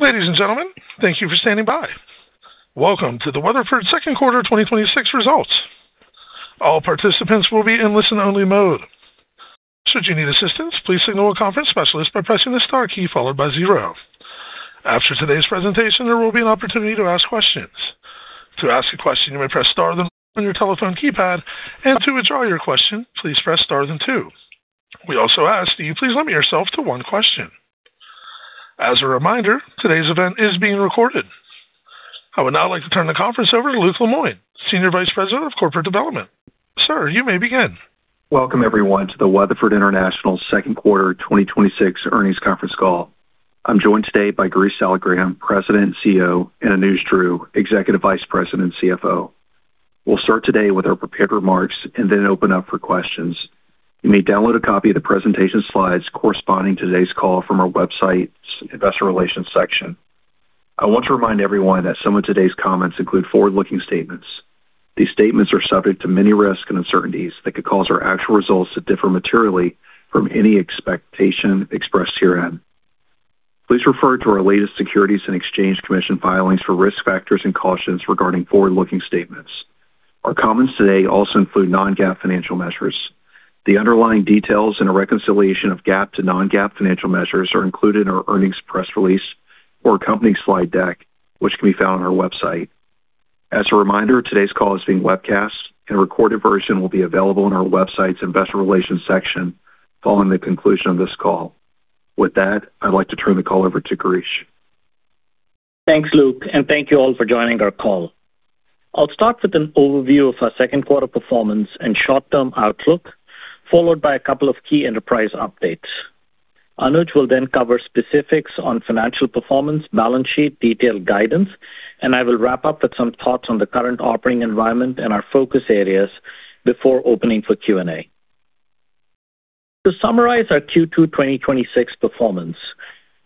Ladies and gentlemen, thank you for standing by. Welcome to the Weatherford second quarter 2026 results. All participants will be in listen-only mode. Should you need assistance, please signal a conference specialist by pressing the star key followed by zero. After today's presentation, there will be an opportunity to ask questions. To ask a question, you may press star on your telephone keypad, and to withdraw your question, please press star then two. We also ask that you please limit yourself to one question. As a reminder, today's event is being recorded. I would now like to turn the conference over to Luke Lemoine, Senior Vice President of Corporate Development. Sir, you may begin. Welcome, everyone, to the Weatherford International second quarter 2026 earnings conference call. I'm joined today by Girish Saligram, President and CEO, and Anuj Dhruv, Executive Vice President and CFO. We'll start today with our prepared remarks and then open up for questions. You may download a copy of the presentation slides corresponding to today's call from our website's investor relations section. I want to remind everyone that some of today's comments include forward-looking statements. These statements are subject to many risks and uncertainties that could cause our actual results to differ materially from any expectation expressed herein. Please refer to our latest Securities and Exchange Commission filings for risk factors and cautions regarding forward-looking statements. Our comments today also include non-GAAP financial measures. The underlying details and a reconciliation of GAAP to non-GAAP financial measures are included in our earnings press release or company slide deck, which can be found on our website. As a reminder, today's call is being webcast and a recorded version will be available on our website's investor relations section following the conclusion of this call. With that, I'd like to turn the call over to Girish. Thanks, Luke. Thank you all for joining our call. I'll start with an overview of our second quarter performance and short-term outlook, followed by a couple of key enterprise updates. Anuj will then cover specifics on financial performance, balance sheet detail guidance, and I will wrap up with some thoughts on the current operating environment and our focus areas before opening for Q&A. To summarize our Q2 2026 performance,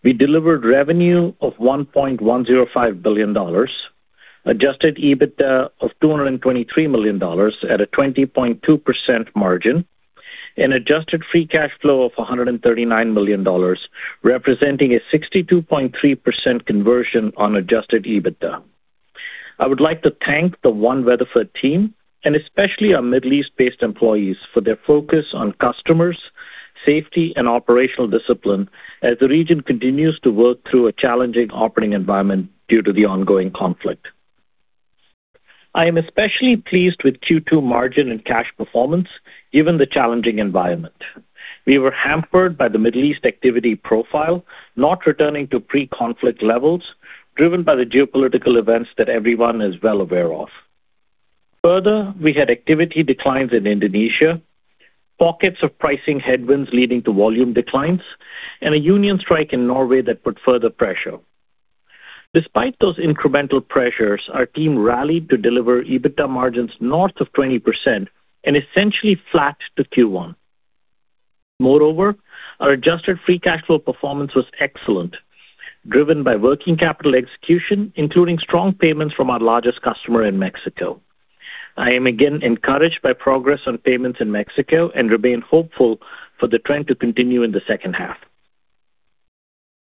we delivered revenue of $1.105 billion, adjusted EBITDA of $223 million at a 20.2% margin, and adjusted free cash flow of $139 million, representing a 62.3% conversion on adjusted EBITDA. I would like to thank the One Weatherford team and especially our Middle East-based employees for their focus on customers, safety, and operational discipline as the region continues to work through a challenging operating environment due to the ongoing conflict. I am especially pleased with Q2 margin and cash performance given the challenging environment. We were hampered by the Middle East activity profile not returning to pre-conflict levels driven by the geopolitical events that everyone is well aware of. We had activity declines in Indonesia, pockets of pricing headwinds leading to volume declines, and a union strike in Norway that put further pressure. Despite those incremental pressures, our team rallied to deliver EBITDA margins north of 20% and essentially flat to Q1. Moreover, our adjusted free cash flow performance was excellent, driven by working capital execution, including strong payments from our largest customer in Mexico. I am again encouraged by progress on payments in Mexico and remain hopeful for the trend to continue in the second half.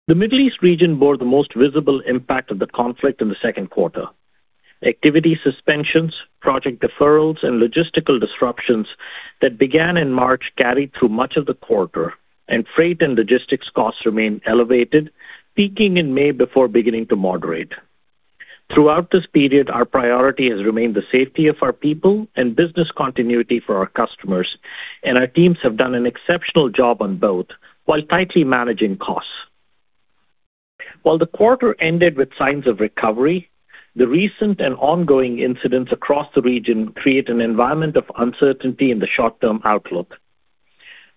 The Middle East region bore the most visible impact of the conflict in the second quarter. Activity suspensions, project deferrals, and logistical disruptions that began in March carried through much of the quarter, and freight and logistics costs remain elevated, peaking in May before beginning to moderate. Throughout this period, our priority has remained the safety of our people and business continuity for our customers, and our teams have done an exceptional job on both while tightly managing costs. While the quarter ended with signs of recovery, the recent and ongoing incidents across the region create an environment of uncertainty in the short-term outlook.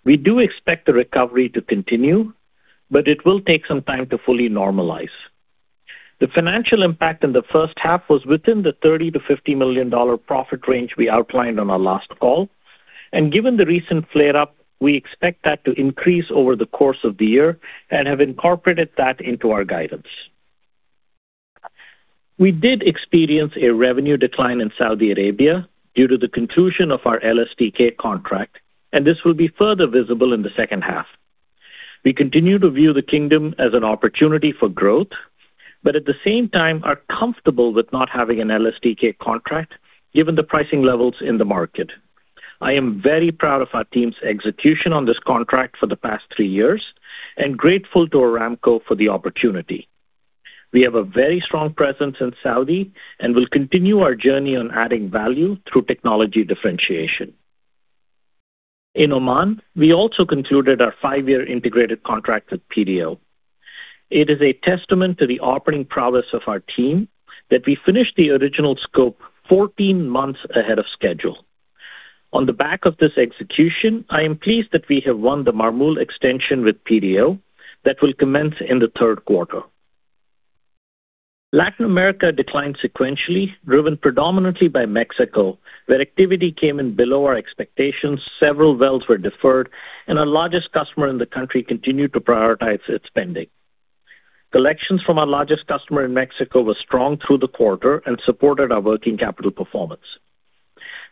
We do expect the recovery to continue, but it will take some time to fully normalize. The financial impact in the first half was within the $30 million-$50 million profit range we outlined on our last call. Given the recent flare-up, we expect that to increase over the course of the year and have incorporated that into our guidance. We did experience a revenue decline in Saudi Arabia due to the conclusion of our LSTK contract, and this will be further visible in the second half. We continue to view the kingdom as an opportunity for growth, but at the same time are comfortable with not having an LSTK contract given the pricing levels in the market. I am very proud of our team's execution on this contract for the past three years and grateful to Aramco for the opportunity. We have a very strong presence in Saudi and will continue our journey on adding value through technology differentiation. In Oman, we also concluded our five-year integrated contract with PDO. It is a testament to the operating prowess of our team that we finished the original scope 14 months ahead of schedule. On the back of this execution, I am pleased that we have won the Marmul extension with PDO that will commence in the third quarter. Latin America declined sequentially, driven predominantly by Mexico, where activity came in below our expectations, several wells were deferred, and our largest customer in the country continued to prioritize its spending. Collections from our largest customer in Mexico were strong through the quarter and supported our working capital performance.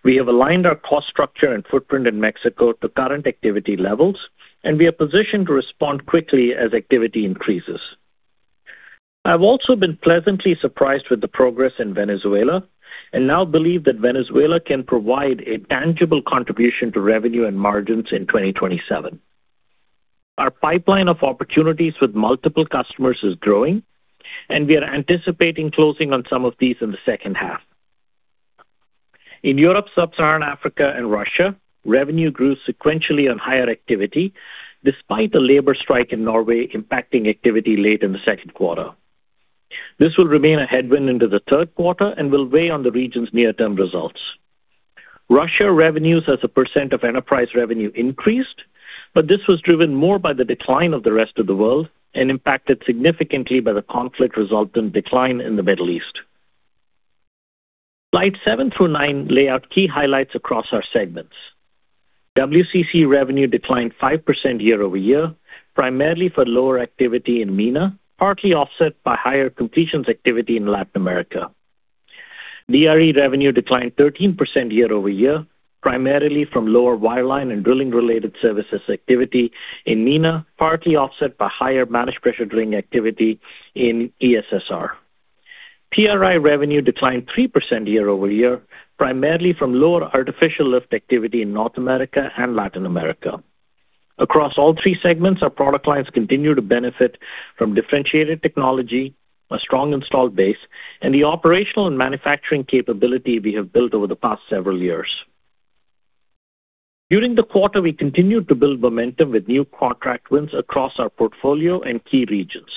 We have aligned our cost structure and footprint in Mexico to current activity levels, and we are positioned to respond quickly as activity increases. I've also been pleasantly surprised with the progress in Venezuela and now believe that Venezuela can provide a tangible contribution to revenue and margins in 2027. Our pipeline of opportunities with multiple customers is growing, and we are anticipating closing on some of these in the second half. In Europe, Sub-Saharan Africa, and Russia, revenue grew sequentially on higher activity, despite a labor strike in Norway impacting activity late in the second quarter. This will remain a headwind into the third quarter and will weigh on the region's near-term results. Russia revenues as a percent of enterprise revenue increased, but this was driven more by the decline of the rest of the world and impacted significantly by the conflict, resulting in a decline in the Middle East. Slides seven through nine lay out key highlights across our segments. WCC revenue declined 5% year-over-year, primarily for lower activity in MENA, partly offset by higher completions activity in Latin America. DRE revenue declined 13% year-over-year, primarily from lower wireline and drilling-related services activity in MENA, partly offset by higher managed pressure drilling activity in ESSR. PRI revenue declined 3% year-over-year, primarily from lower artificial lift activity in North America and Latin America. Across all three segments, our product lines continue to benefit from differentiated technology, a strong installed base, and the operational and manufacturing capability we have built over the past several years. During the quarter, we continued to build momentum with new contract wins across our portfolio and key regions.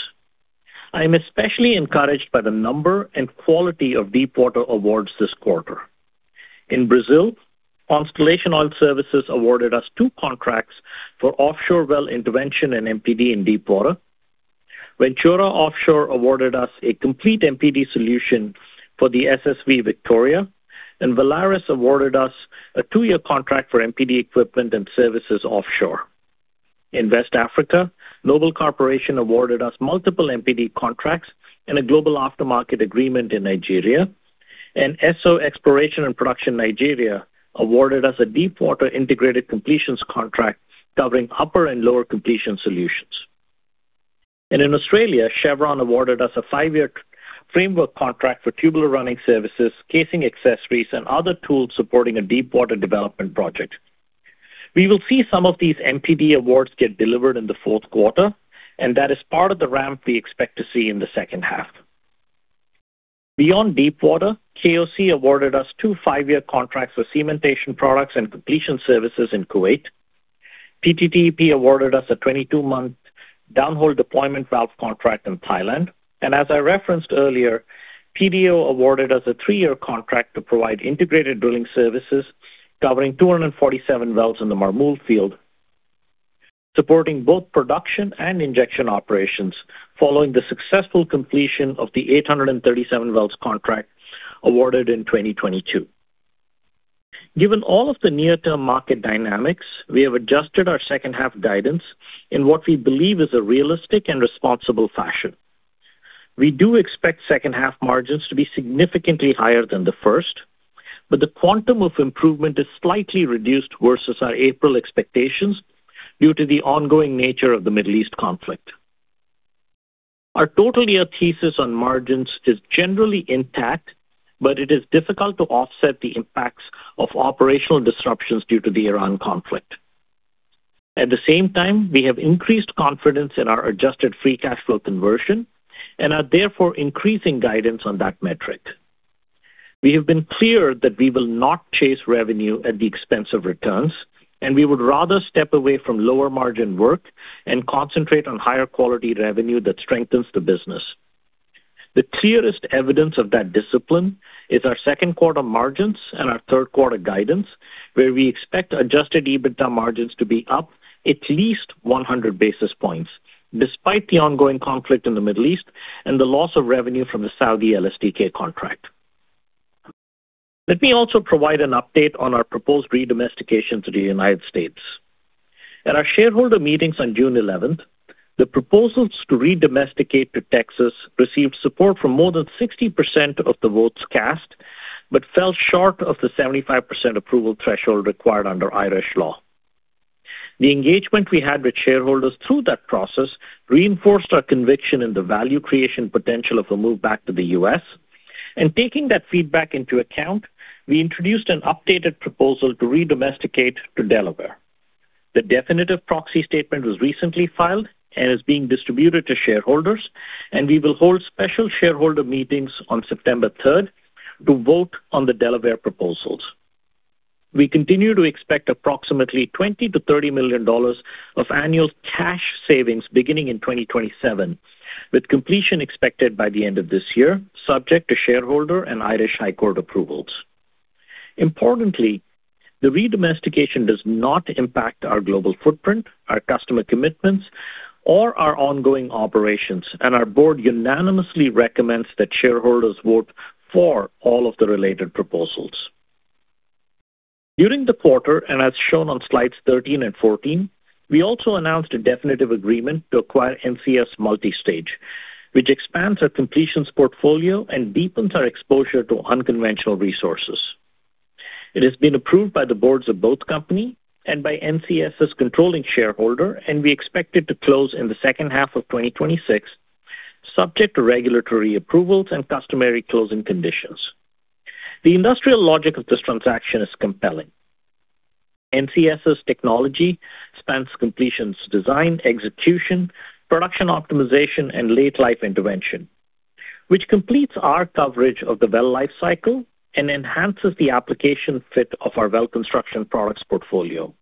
I am especially encouraged by the number and quality of ` awards this quarter. In Brazil, Constellation Oil Services awarded us two contracts for offshore well intervention and MPD in deepwater. Ventura Offshore awarded us a complete MPD solution for the SSV Victoria, and Valaris awarded us a two-year contract for MPD equipment and services offshore. In West Africa, Noble Corporation awarded us multiple MPD contracts and a global aftermarket agreement in Nigeria, and Esso Exploration and Production Nigeria awarded us a deepwater integrated completions contract covering upper and lower completion solutions. In Australia, Chevron awarded us a five-year framework contract for Tubular Running Services, casing accessories, and other tools supporting a deepwater development project. We will see some of these MPD awards get delivered in the fourth quarter, and that is part of the ramp we expect to see in the second half. Beyond deepwater, KOC awarded us two five-year contracts for cementation products and completion services in Kuwait. PTTEP awarded us a 22-month downhole deployment valve contract in Thailand. As I referenced earlier, PDO awarded us a three-year contract to provide integrated drilling services covering 247 wells in the Marmul Field, supporting both production and injection operations following the successful completion of the 837 wells contract awarded in 2022. Given all of the near-term market dynamics, we have adjusted our second half guidance in what we believe is a realistic and responsible fashion. We do expect second half margins to be significantly higher than the first, but the quantum of improvement is slightly reduced versus our April expectations due to the ongoing nature of the Middle East conflict. Our total year thesis on margins is generally intact, but it is difficult to offset the impacts of operational disruptions due to the Iran conflict. At the same time, we have increased confidence in our adjusted free cash flow conversion and are therefore increasing guidance on that metric. We have been clear that we will not chase revenue at the expense of returns, and we would rather step away from lower margin work and concentrate on higher quality revenue that strengthens the business. The clearest evidence of that discipline is our second quarter margins and our third quarter guidance, where we expect adjusted EBITDA margins to be up at least 100 basis points, despite the ongoing conflict in the Middle East and the loss of revenue from the Saudi LSTK contract. Let me also provide an update on our proposed redomestication to the U.S. At our shareholder meetings on June 11th, the proposals to redomesticate to Texas received support from more than 60% of the votes cast but fell short of the 75% approval threshold required under Irish law. The engagement we had with shareholders through that process reinforced our conviction in the value creation potential of a move back to the U.S., and taking that feedback into account, we introduced an updated proposal to redomesticate to Delaware. The definitive proxy statement was recently filed and is being distributed to shareholders, and we will hold special shareholder meetings on September 3rd to vote on the Delaware proposals. We continue to expect approximately $20 million-$30 million of annual cash savings beginning in 2027, with completion expected by the end of this year, subject to shareholder and Irish High Court approvals. Importantly, the redomestication does not impact our global footprint, our customer commitments, or our ongoing operations, and our board unanimously recommends that shareholders vote for all of the related proposals. During the quarter, and as shown on Slides 13 and 14, we also announced a definitive agreement to acquire NCS Multistage, which expands our completions portfolio and deepens our exposure to unconventional resources. It has been approved by the boards of both companies and by NCS's controlling shareholder, and we expect it to close in the second half of 2026, subject to regulatory approvals and customary closing conditions. The industrial logic of this transaction is compelling. NCS's technology spans completions design, execution, production optimization, and late life intervention, which completes our coverage of the well lifecycle and enhances the application fit of our well construction products portfolio.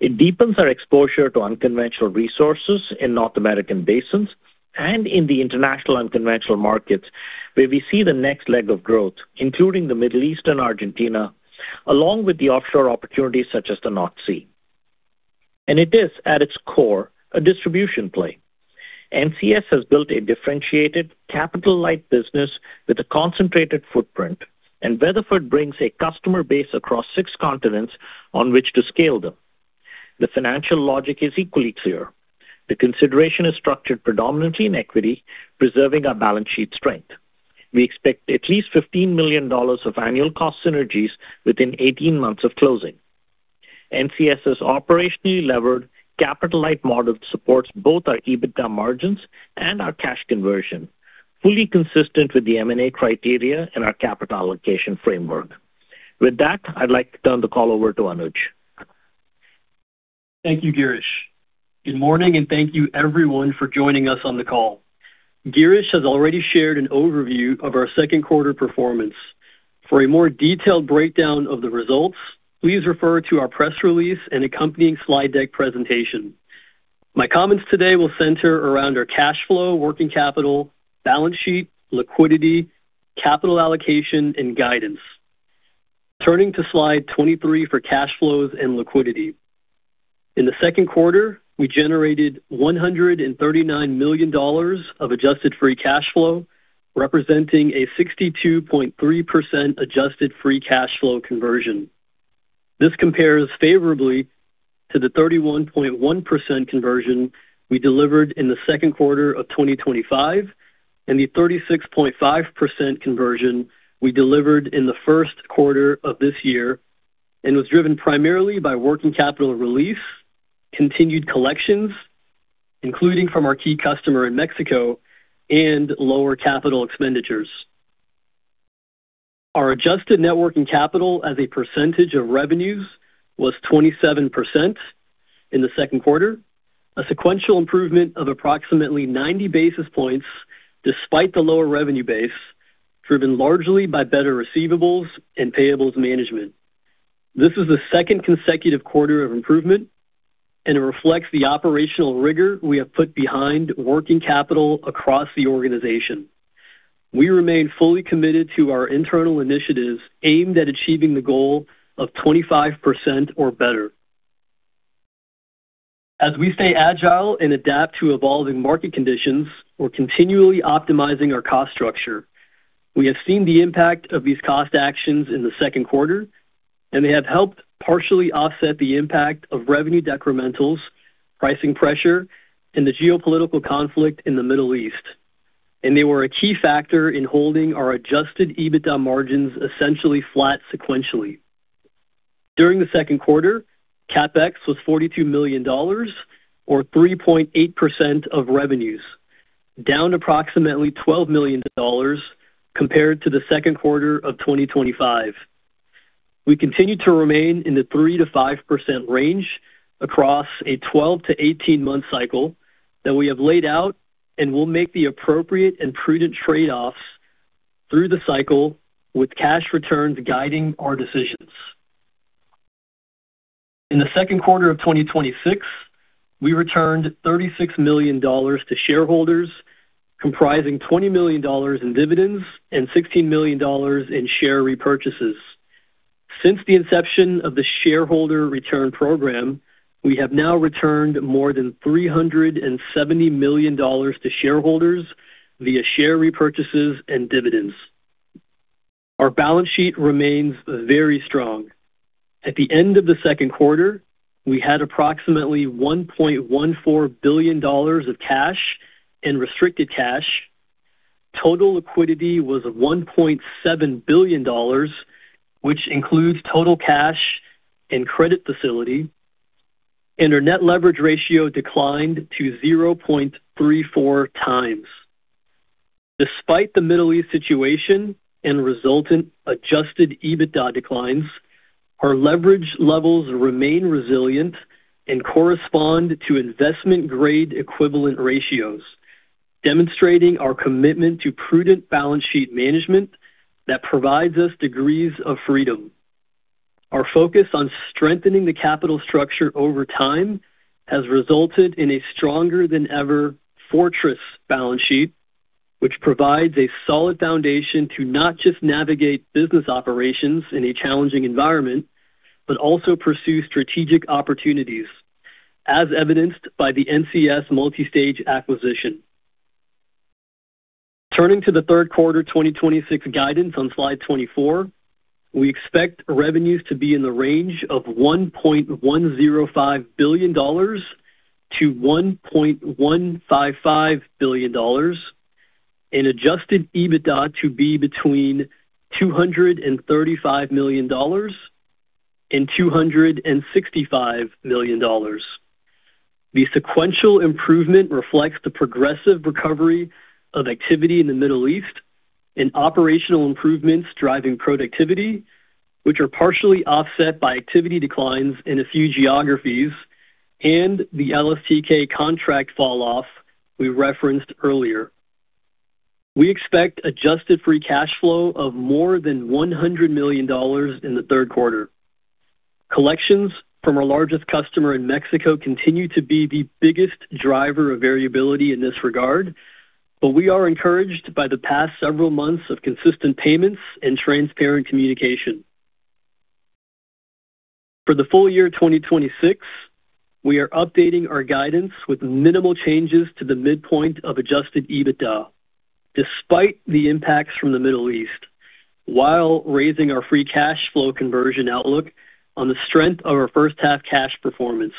It deepens our exposure to unconventional resources in North American basins and in the international unconventional markets where we see the next leg of growth, including the Middle East and Argentina, along with the offshore opportunities such as the North Sea. It is, at its core, a distribution play. NCS has built a differentiated capital-light business with a concentrated footprint, and Weatherford brings a customer base across six continents on which to scale them. The financial logic is equally clear. The consideration is structured predominantly in equity, preserving our balance sheet strength. We expect at least $15 million of annual cost synergies within 18 months of closing. NCS's operationally levered capital-light model supports both our EBITDA margins and our cash conversion, fully consistent with the M&A criteria and our capital allocation framework. With that, I'd like to turn the call over to Anuj. Thank you, Girish. Good morning, and thank you everyone for joining us on the call. Girish has already shared an overview of our second quarter performance. For a more detailed breakdown of the results, please refer to our press release and accompanying slide deck presentation. My comments today will center around our cash flow, working capital, balance sheet, liquidity, capital allocation and guidance. Turning to Slide 23 for cash flows and liquidity. In the second quarter, we generated $139 million of adjusted free cash flow, representing a 62.3% adjusted free cash flow conversion. This compares favorably to the 31.1% conversion we delivered in the second quarter of 2025 and the 36.5% conversion we delivered in the first quarter of this year and was driven primarily by working capital release, continued collections, including from our key customer in Mexico, and lower capital expenditures. Our adjusted net working capital as a percentage of revenues was 27% in the second quarter, a sequential improvement of approximately 90 basis points despite the lower revenue base, driven largely by better receivables and payables management. This is the second consecutive quarter of improvement, and it reflects the operational rigor we have put behind working capital across the organization. We remain fully committed to our internal initiatives aimed at achieving the goal of 25% or better. As we stay agile and adapt to evolving market conditions, we're continually optimizing our cost structure. We have seen the impact of these cost actions in the second quarter, and they have helped partially offset the impact of revenue decrementals, pricing pressure, and the geopolitical conflict in the Middle East. They were a key factor in holding our adjusted EBITDA margins essentially flat sequentially. During the second quarter, CapEx was $42 million, or 3.8% of revenues, down approximately $12 million compared to the second quarter of 2025. We continue to remain in the 3%-5% range across a 12-18 month cycle that we have laid out and will make the appropriate and prudent trade-offs through the cycle with cash returns guiding our decisions. In the second quarter of 2026, we returned $36 million to shareholders, comprising $20 million in dividends and $16 million in share repurchases. Since the inception of the shareholder return program, we have now returned more than $370 million to shareholders via share repurchases and dividends. Our balance sheet remains very strong. At the end of the second quarter, we had approximately $1.14 billion of cash and restricted cash. Total liquidity was $1.7 billion, which includes total cash and credit facility. Our net leverage ratio declined to 0.34x. Despite the Middle East situation and resultant adjusted EBITDA declines, our leverage levels remain resilient and correspond to investment-grade equivalent ratios, demonstrating our commitment to prudent balance sheet management that provides us degrees of freedom. Our focus on strengthening the capital structure over time has resulted in a stronger than ever fortress balance sheet, which provides a solid foundation to not just navigate business operations in a challenging environment, but also pursue strategic opportunities, as evidenced by the NCS Multistage acquisition. Turning to the third quarter 2026 guidance on Slide 24. We expect revenues to be in the range of $1.105 billion-$1.155 billion, and adjusted EBITDA to be between $235 million and $265 million. The sequential improvement reflects the progressive recovery of activity in the Middle East and operational improvements driving productivity, which are partially offset by activity declines in a few geographies and the LSTK contract falloff we referenced earlier. We expect adjusted free cash flow of more than $100 million in the third quarter. Collections from our largest customer in Mexico continue to be the biggest driver of variability in this regard, but we are encouraged by the past several months of consistent payments and transparent communication. For the full-year 2026, we are updating our guidance with minimal changes to the midpoint of adjusted EBITDA, despite the impacts from the Middle East, while raising our free cash flow conversion outlook on the strength of our first half cash performance.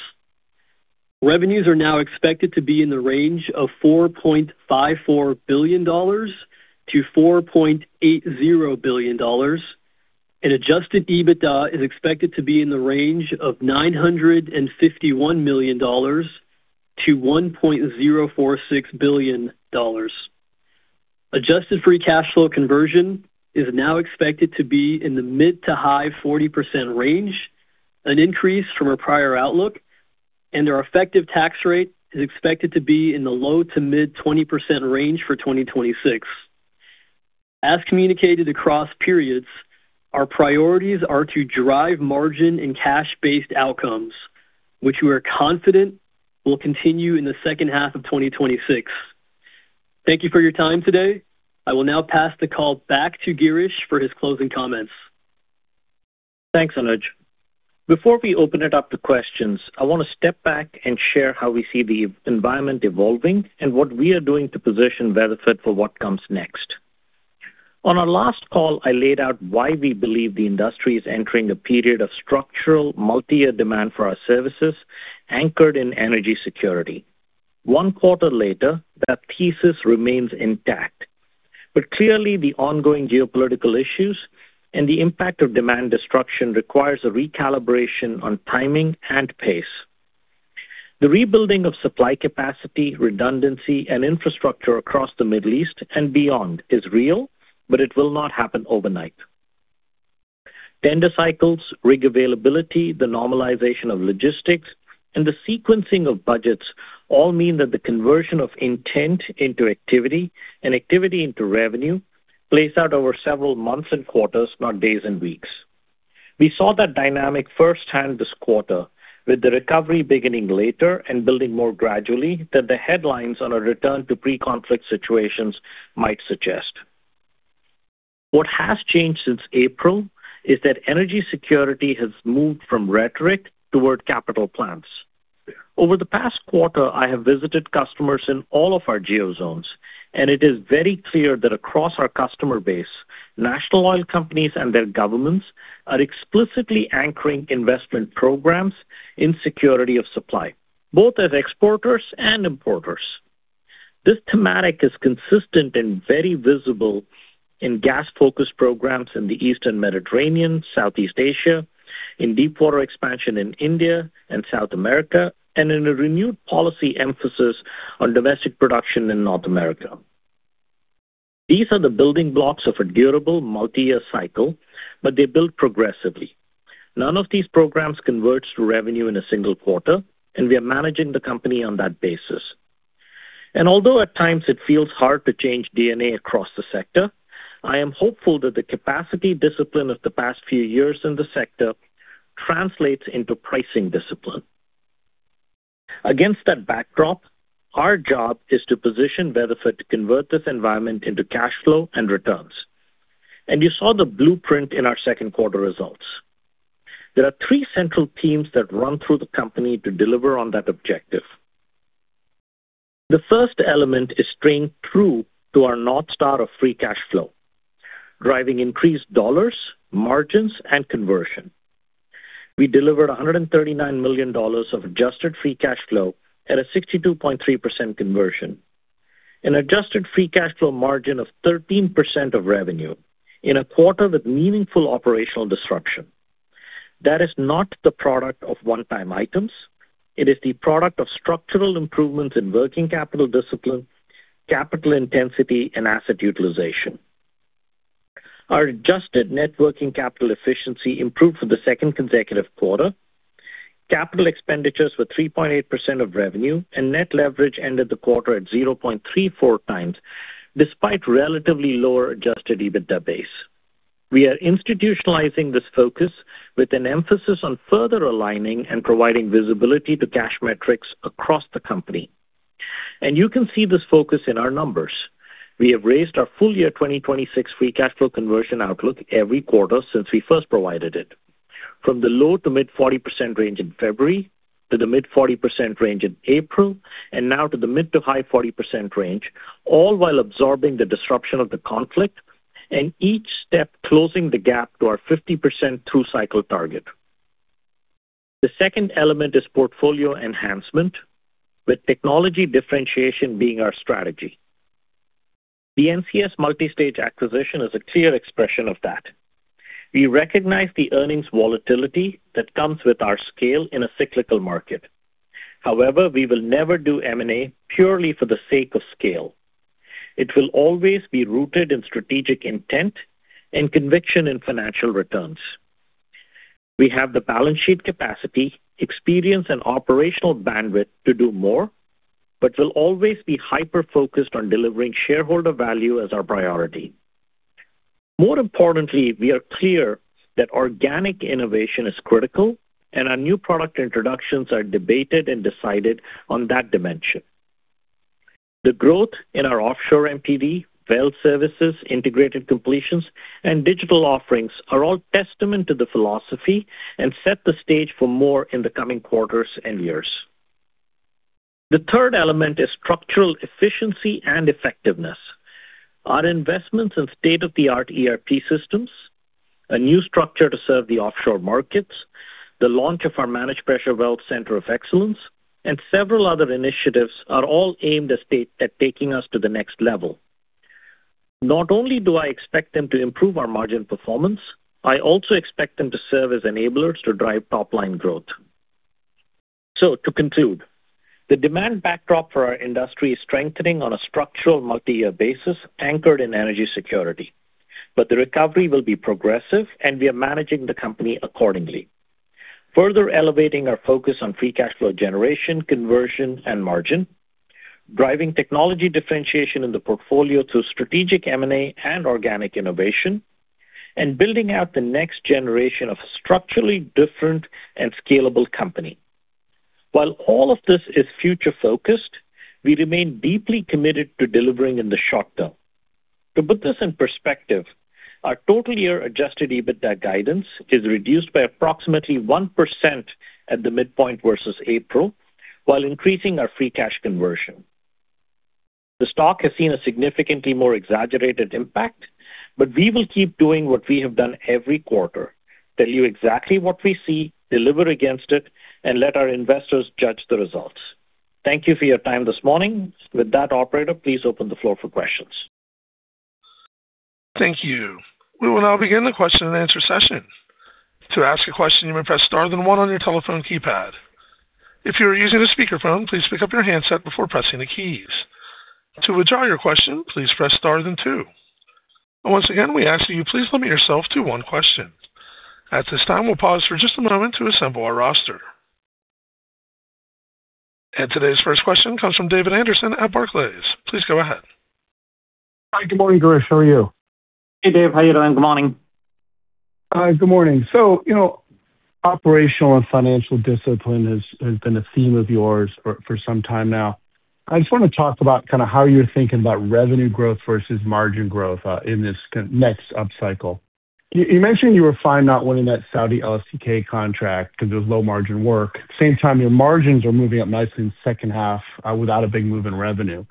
Revenues are now expected to be in the range of $4.54 billion-$4.80 billion, and adjusted EBITDA is expected to be in the range of $951 million-$1.046 billion. Adjusted free cash flow conversion is now expected to be in the mid to high 40% range, an increase from our prior outlook, and our effective tax rate is expected to be in the low to mid 20% range for 2026. As communicated across periods, our priorities are to drive margin and cash-based outcomes, which we are confident will continue in the second half of 2026. Thank you for your time today. I will now pass the call back to Girish for his closing comments. Thanks, Anuj. Before we open it up to questions, I want to step back and share how we see the environment evolving and what we are doing to position Weatherford for what comes next. On our last call, I laid out why we believe the industry is entering a period of structural multi-year demand for our services anchored in energy security. One quarter later, our pieces remained intact. But clearly, the ongoing geopolitical issues and the impact of demand destruction requires a recalibration on timing and pace. The rebuilding of supply capacity, redundancy, and infrastructure across the Middle East and beyond is real, but it will not happen overnight. Tender cycles, rig availability, the normalization of logistics, and the sequencing of budgets all mean that the conversion of intent into activity and activity into revenue plays out over several months and quarters, not days and weeks. We saw that dynamic firsthand this quarter with the recovery beginning later and building more gradually than the headlines on a return to pre-conflict situations might suggest. What has changed since April is that energy security has moved from rhetoric toward capital plans. Over the past quarter, I have visited customers in all of our geo zones, and it is very clear that across our customer base, national oil companies and their governments are explicitly anchoring investment programs in security of supply, both as exporters and importers. This thematic is consistent and very visible in gas-focused programs in the Eastern Mediterranean, Southeast Asia, in deepwater expansion in India and South America, and in a renewed policy emphasis on domestic production in North America. These are the building blocks of a durable multi-year cycle, but they build progressively. None of these programs converts to revenue in a single quarter. We are managing the company on that basis. Although at times it feels hard to change DNA across the sector, I am hopeful that the capacity discipline of the past few years in the sector translates into pricing discipline. Against that backdrop, our job is to position Weatherford to convert this environment into cash flow and returns. You saw the blueprint in our second quarter results. There are three central themes that run through the company to deliver on that objective. The first element is staying true to our North Star of free cash flow, driving increased dollars, margins, and conversion. We delivered $139 million of adjusted free cash flow at a 62.3% conversion, an adjusted free cash flow margin of 13% of revenue in a quarter with meaningful operational disruption. That is not the product of one-time items. It is the product of structural improvements in working capital discipline, capital intensity, and asset utilization. Our adjusted net working capital efficiency improved for the second consecutive quarter. Capital expenditures were 3.8% of revenue and net leverage ended the quarter at 0.34x, despite relatively lower adjusted EBITDA base. We are institutionalizing this focus with an emphasis on further aligning and providing visibility to cash metrics across the company. You can see this focus in our numbers. We have raised our full-year 2026 free cash flow conversion outlook every quarter since we first provided it. From the low to mid 40% range in February, to the mid 40% range in April, and now to the mid to high 40% range, all while absorbing the disruption of the conflict and each step closing the gap to our 50% through cycle target. The second element is portfolio enhancement with technology differentiation being our strategy. The NCS Multistage acquisition is a clear expression of that. We recognize the earnings volatility that comes with our scale in a cyclical market. However, we will never do M&A purely for the sake of scale. It will always be rooted in strategic intent and conviction in financial returns. We have the balance sheet capacity, experience, and operational bandwidth to do more, but will always be hyper-focused on delivering shareholder value as our priority. More importantly, we are clear that organic innovation is critical. Our new product introductions are debated and decided on that dimension. The growth in our offshore MPD, well services, integrated completions, and digital offerings are all testament to the philosophy and set the stage for more in the coming quarters and years. The third element is structural efficiency and effectiveness. Our investments in state-of-the-art ERP systems, a new structure to serve the offshore markets, the launch of our Managed Pressure Wells Center of Excellence, and several other initiatives are all aimed at taking us to the next level. Not only do I expect them to improve our margin performance, I also expect them to serve as enablers to drive top-line growth. To conclude, the demand backdrop for our industry is strengthening on a structural multi-year basis anchored in energy security. The recovery will be progressive, and we are managing the company accordingly. Further elevating our focus on free cash flow generation, conversion, and margin, driving technology differentiation in the portfolio through strategic M&A and organic innovation, and building out the next generation of structurally different and scalable company. While all of this is future-focused, we remain deeply committed to delivering in the short-term. To put this in perspective, our total year adjusted EBITDA guidance is reduced by approximately 1% at the midpoint versus April while increasing our free cash conversion. The stock has seen a significantly more exaggerated impact, we will keep doing what we have done every quarter, tell you exactly what we see, deliver against it, and let our investors judge the results. Thank you for your time this morning. With that, operator, please open the floor for questions. Thank you. We will now begin the question-and-answer session. To ask a question, you may press star then one on your telephone keypad. If you are using a speakerphone, please pick up your handset before pressing the keys. To withdraw your question, please press star then two. Once again, we ask that you please limit yourself to one question. At this time, we'll pause for just a moment to assemble our roster. Today's first question comes from David Anderson at Barclays. Please go ahead. Hi, good morning, Girish. How are you? Hey, Dave. How you doing? Good morning. Hi. Good morning. So you know, operational and financial discipline has been a theme of yours for some time now. I just want to talk about kind of how you're thinking about revenue growth versus margin growth, in this next upcycle. You mentioned you were fine not winning that Saudi LSTK contract because it was low-margin work. Same time, your margins are moving up nicely in the second half without a big move in revenue.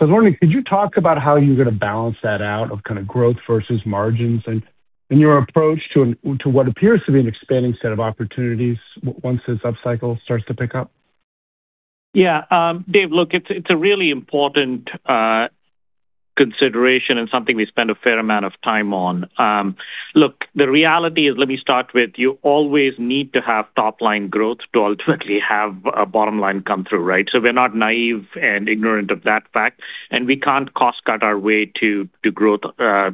I was wondering, could you talk about how you're going to balance that out of kind of growth versus margins and your approach to what appears to be an expanding set of opportunities once this upcycle starts to pick up? Yeah Dave, look, it's a really important consideration and something we spend a fair amount of time on. Look, the reality is, let me start with, you always need to have top-line growth to ultimately have a bottom line come through, right? We're not naive and ignorant of that fact, and we can't cost cut our way to growth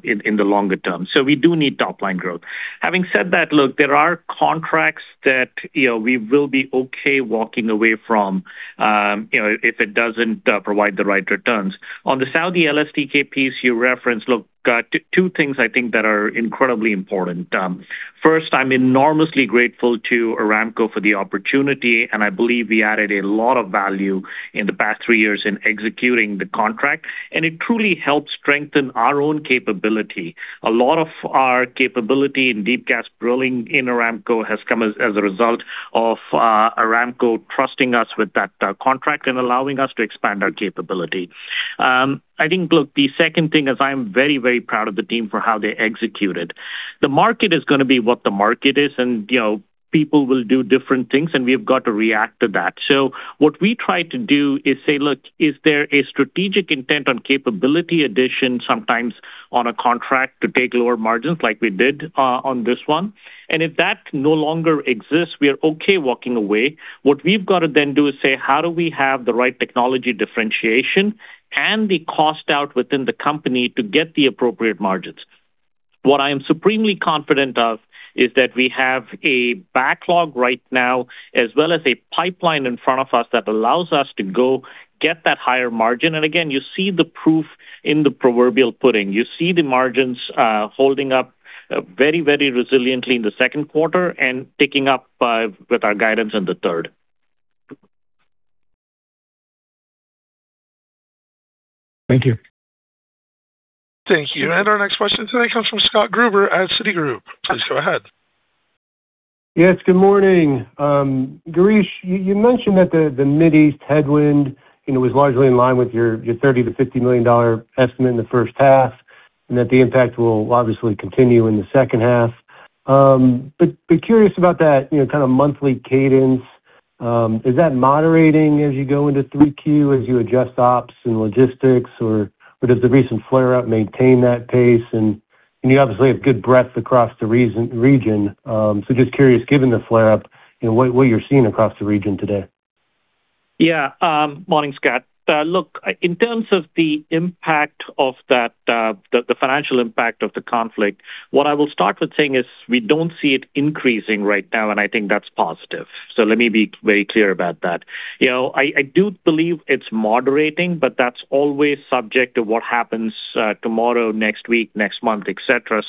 in the longer-term. We do need top-line growth. Having said that, look, there are contracts that we will be okay walking away from if it doesn't provide the right returns. On the Saudi LSTK piece you referenced, look, two things I think that are incredibly important. First, I'm enormously grateful to Aramco for the opportunity, and I believe we added a lot of value in the past three years in executing the contract, and it truly helped strengthen our own capability. A lot of our capability in deep gas drilling in Aramco has come as a result of Aramco trusting us with that contract and allowing us to expand our capability. I think, look, the second thing is I am very proud of the team for how they executed. The market is going to be what the market is, and people will do different things, and we've got to react to that. What we try to do is say, look, is there a strategic intent on capability addition sometimes on a contract to take lower margins like we did on this one? If that no longer exists, we are okay walking away. What we've got to then do is say, how do we have the right technology differentiation and the cost out within the company to get the appropriate margins? What I am supremely confident of is that we have a backlog right now, as well as a pipeline in front of us that allows us to go get that higher margin. Again, you see the proof in the proverbial pudding. You see the margins holding up very resiliently in the second quarter and ticking up with our guidance in the third. Thank you. Thank you. Our next question today comes from Scott Gruber at Citigroup. Please go ahead. Yes, good morning. Girish, you mentioned that the Mid East headwind was largely in line with your $30 million-$50 million estimate in the first half, and that the impact will obviously continue in the second half. Curious about that monthly cadence. Is that moderating as you go into 3Q, as you adjust ops and logistics, or does the recent flare-up maintain that pace? You obviously have good breadth across the region. Just curious, given the flare-up, what you're seeing across the region today. Yeah. Morning, Scott. Look, in terms of the financial impact of the conflict, what I will start with saying is we don't see it increasing right now, and I think that's positive. Let me be very clear about that. You know, I do believe it's moderating, but that's always subject to what happens tomorrow, next week, next month, et cetera.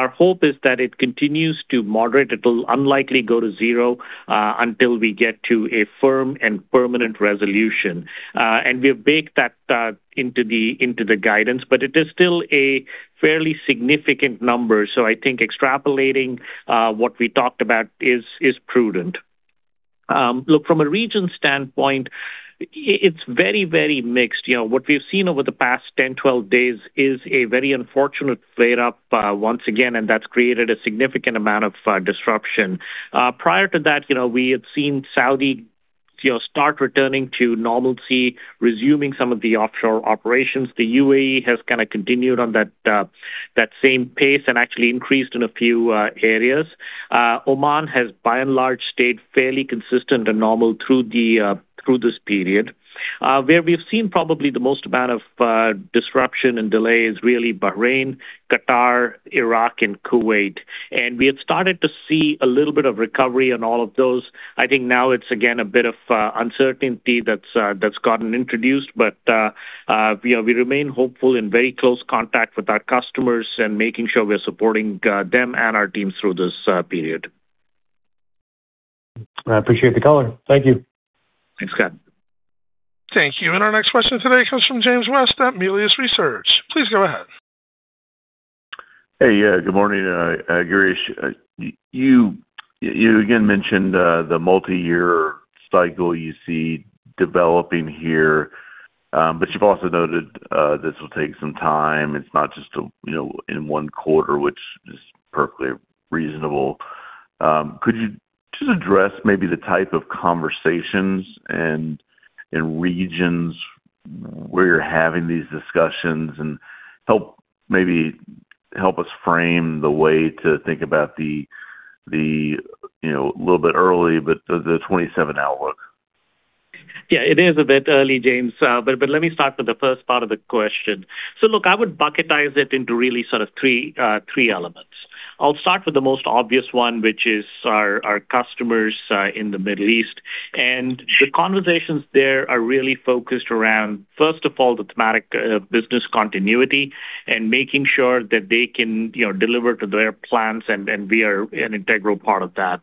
Our hope is that it continues to moderate. It will unlikely go to zero until we get to a firm and permanent resolution. We have baked that into the guidance, but it is still a fairly significant number. I think extrapolating what we talked about is prudent. Look, from a region standpoint, it's very mixed. What we've seen over the past 10, 12 days is a very unfortunate flare-up once again, and that's created a significant amount of disruption. Prior to that, we had seen Saudi start returning to normalcy, resuming some of the offshore operations. The UAE has continued on that same pace and actually increased in a few areas. Oman has by and large, stayed fairly consistent and normal through this period. Where we've seen probably the most amount of disruption and delay is really Bahrain, Qatar, Iraq, and Kuwait. We had started to see a little bit of recovery on all of those. I think now it's again a bit of uncertainty that's gotten introduced. We remain hopeful in very close contact with our customers and making sure we're supporting them and our teams through this period. I appreciate the color. Thank you. Thanks, Scott. Thank you. Our next question today comes from James West at Melius Research. Please go ahead. Hey. Good morning, Girish. You again mentioned the multi-year cycle you see developing here. You've also noted this will take some time. It's not just in one quarter, which is perfectly reasonable. Could you just address maybe the type of conversations and regions where you're having these discussions and maybe help us frame the way to think about the, little bit early, but the 2027 outlook? It is a bit early, James. Let me start with the first part of the question. Look, I would bucketize it into really sort of three elements. I will start with the most obvious one, which is our customers in the Middle East. The conversations there are really focused around, first of all, the thematic business continuity and making sure that they can deliver to their plans, and we are an integral part of that.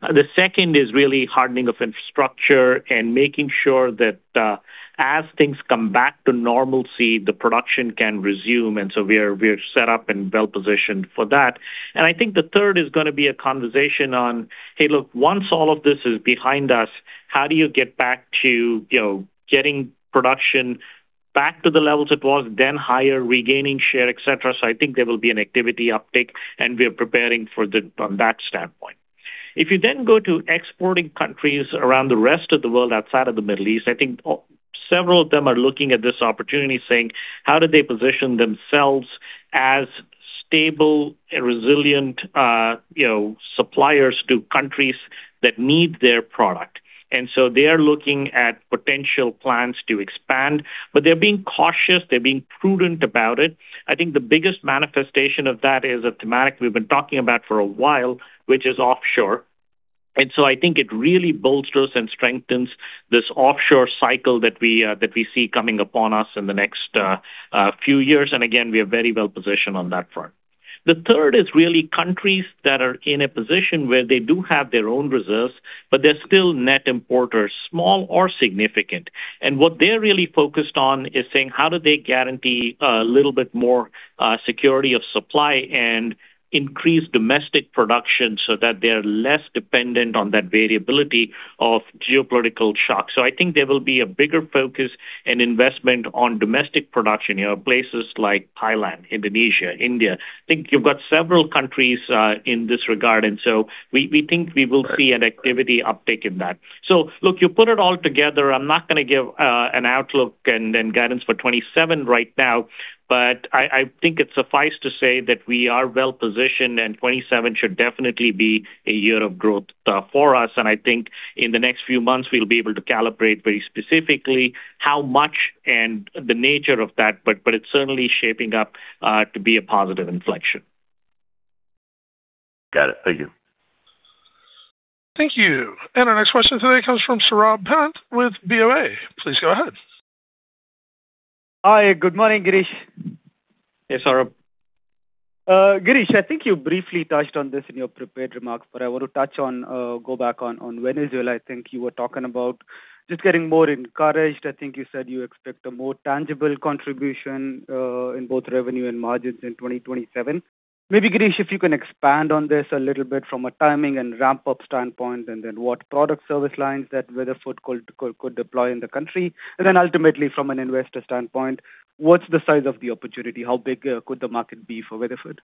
The second is really hardening of infrastructure and making sure that as things come back to normalcy, the production can resume. We are set up and well-positioned for that. I think the third is going to be a conversation on, hey, look, once all of this is behind us, how do you get back to getting production back to the levels it was then higher, regaining share, et cetera. I think there will be an activity uptick, and we are preparing from that standpoint. If you then go to exporting countries around the Rest of the World outside of the Middle East, I think several of them are looking at this opportunity saying, how do they position themselves as stable and resilient, you know, Suppliers to countries that need their product? They are looking at potential plans to expand, but they are being cautious, they are being prudent about it. I think the biggest manifestation of that is a thematic we have been talking about for a while, which is offshore. I think it really bolsters and strengthens this offshore cycle that we see coming upon us in the next few years. Again, we are very well positioned on that front. The third is really countries that are in a position where they do have their own reserves, but they are still net importers, small or significant. What they are really focused on is saying, how do they guarantee a little bit more security of supply and increase domestic production so that they are less dependent on that variability of geopolitical shocks? I think there will be a bigger focus and investment on domestic production, places like Thailand, Indonesia, India. I think you have got several countries in this regard. We think we will see an activity uptick in that. Look, you put it all together. I am not going to give an outlook and guidance for 2027 right now, but I think it is suffice to say that we are well-positioned, and 2027 should definitely be a year of growth for us. I think in the next few months, we will be able to calibrate very specifically how much and the nature of that. It is certainly shaping up to be a positive inflection. Got it. Thank you. Thank you. Our next question today comes from Saurabh Pant with BoA. Please go ahead. Hi. Good morning, Girish. Hey, Saurabh. Girish, I think you briefly touched on this in your prepared remarks, but I want to touch on, go back on Venezuela. I think you were talking about just getting more encouraged. I think you said you expect a more tangible contribution, in both revenue and margins in 2027. Maybe, Girish, if you can expand on this a little bit from a timing and ramp-up standpoint, and then what product service lines that Weatherford could deploy in the country. Ultimately from an investor standpoint, what's the size of the opportunity? How big could the market be for Weatherford?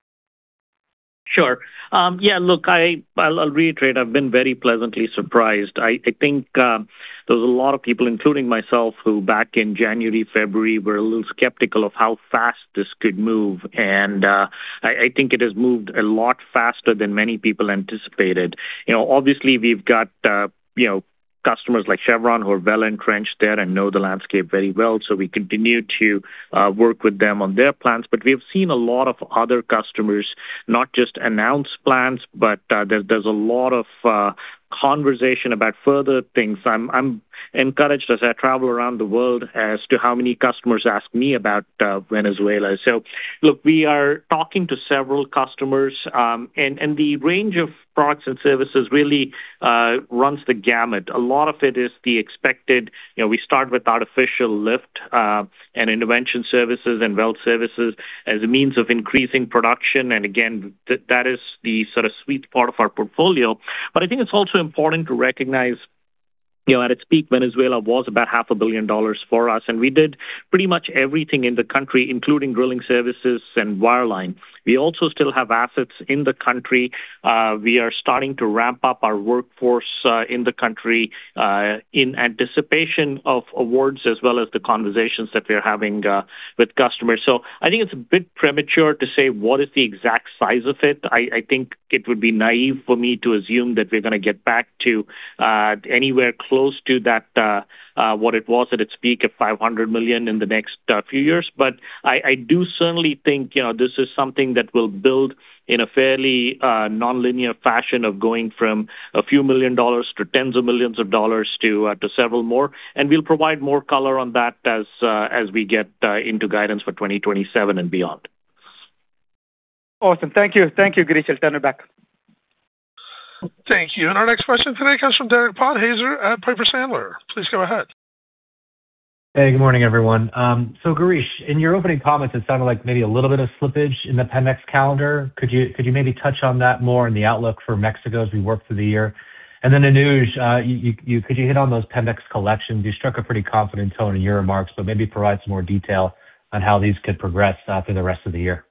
Sure. Yeah, look, I'll reiterate, I've been very pleasantly surprised. I think there's a lot of people, including myself, who back in January, February, were a little skeptical of how fast this could move. I think it has moved a lot faster than many people anticipated. You know, obviously, we've got customers like Chevron who are well-entrenched there and know the landscape very well, so we continue to work with them on their plans. We have seen a lot of other customers not just announce plans, but there's a lot of conversation about further things. I'm encouraged as I travel around the world as to how many customers ask me about Venezuela. Look, we are talking to several customers, and the range of products and services really runs the gamut. A lot of it is the expected. We start with artificial lift, and intervention services and well services as a means of increasing production. Again, that is the sort of sweet part of our portfolio. I think it's also important to recognize at its peak, Venezuela was about half a billion dollars for us, and we did pretty much everything in the country, including drilling services and wireline. We also still have assets in the country. We are starting to ramp up our workforce in the country, in anticipation of awards as well as the conversations that we are having with customers. I think it's a bit premature to say what is the exact size of it. I think it would be naive for me to assume that we're going to get back to anywhere close to what it was at its peak of $500 million in the next few years. I do certainly think this is something that will build in a fairly nonlinear fashion of going from a few million dollars to tens of millions of dollars to several more. We'll provide more color on that as we get into guidance for 2027 and beyond. Awesome. Thank you. Thank you, Girish. I'll turn it back. Thank you. Our next question today comes from Derek Podhaizer at Piper Sandler. Please go ahead. Hey, good morning, everyone. Girish, in your opening comments, it sounded like maybe a little bit of slippage in the Pemex calendar. Could you maybe touch on that more in the outlook for Mexico as we work through the year? And then Anuj, could you hit on those Pemex collections? You struck a pretty confident tone in your remarks, but maybe provide some more detail on how these could progress through the rest of the year.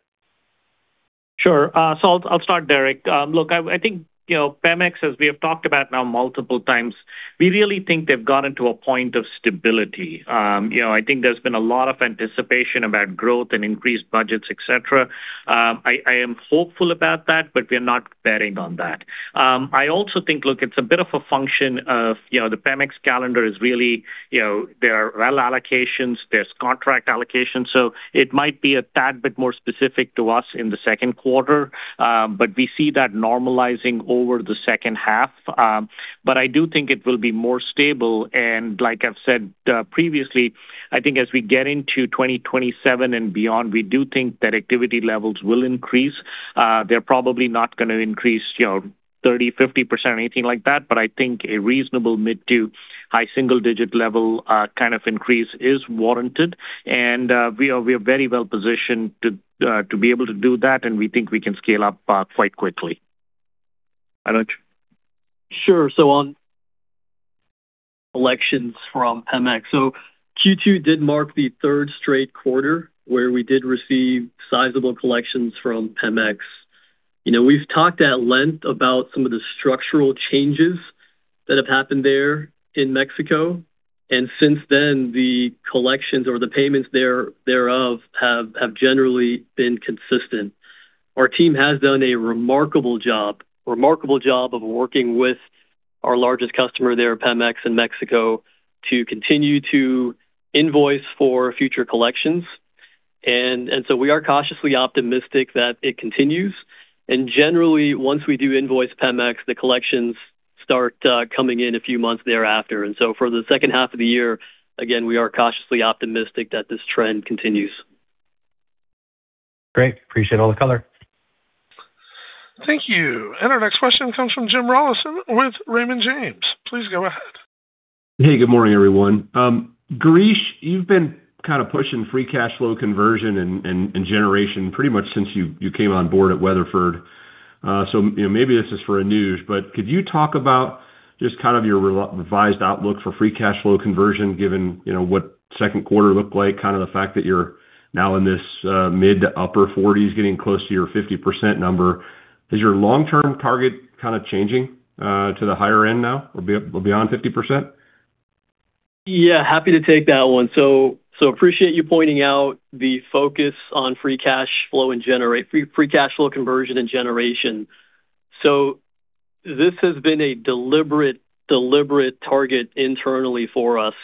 Sure. I'll start, Derek. Look, I think Pemex, as we have talked about now multiple times, we really think they've gotten to a point of stability. I think there's been a lot of anticipation about growth and increased budgets, et cetera. I am hopeful about that, but we are not betting on that. I also think, look, it's a bit of a function of the Pemex calendar is really their well allocations, there's contract allocations. It might be a tad bit more specific to us in the second quarter, but we see that normalizing over the second half. I do think it will be more stable, and like I've said previously, I think as we get into 2027 and beyond, we do think that activity levels will increase. They're probably not going to increase 30%, 50% or anything like that, but I think a reasonable mid-to-high single-digit level kind of increase is warranted. We are very well positioned to be able to do that, and we think we can scale up quite quickly. Anuj? Sure. On collections from Pemex. Q2 did mark the third straight quarter where we did receive sizable collections from Pemex. We've talked at length about some of the structural changes that have happened there in Mexico, and since then, the collections or the payments thereof have generally been consistent. Our team has done a remarkable job of working with our largest customer there, Pemex in Mexico, to continue to invoice for future collections. We are cautiously optimistic that it continues. Generally, once we do invoice Pemex, the collections start coming in a few months thereafter. For the second half of the year, again, we are cautiously optimistic that this trend continues. Great. Appreciate all the color. Thank you. Our next question comes from Jim Rollyson with Raymond James. Please go ahead. Good morning, everyone. Girish, you've been kind of pushing free cash flow conversion and generation pretty much since you came on board at Weatherford. Maybe this is for Anuj, but could you talk about just kind of your revised outlook for free cash flow conversion, given what second quarter looked like, kind of the fact that you're now in this mid to upper 40%s getting close to your 50% number. Is your long-term target kind of changing to the higher end now or beyond 50%? Yeah, happy to take that one. Appreciate you pointing out the focus on free cash flow conversion and generation. This has been a deliberate target internally for us,